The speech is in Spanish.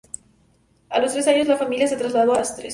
A los tres años, la familia se trasladó a Lastres.